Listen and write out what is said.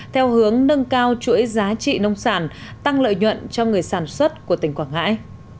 theo hướng nâng cao chuỗi giá trị nông sản tăng lợi nhuận cho người sản xuất của tỉnh quảng ngãi